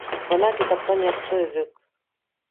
Бына китаптан яҡшы өҙөк